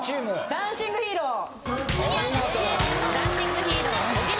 『ダンシング・ヒーロー』お見事。